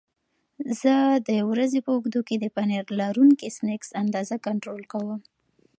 زه د ورځې په اوږدو کې د پنیر لرونکي سنکس اندازه کنټرول کوم.